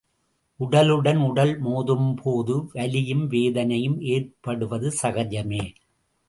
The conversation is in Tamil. உடலுடன் உடல் மோதும்போது வலியும் வேதனையும் ஏற்படுவது சகஜமே.